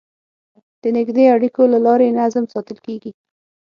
د نږدې اړیکو له لارې نظم ساتل کېږي.